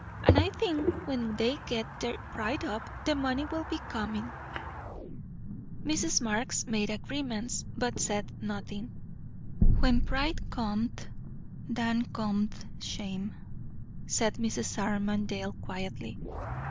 "And I think, when they get their pride up, the money will be coming." Mrs. Marx made a grimace, but said nothing. "'When pride cometh, than cometh shame,'" said Mrs. Armadale quietly.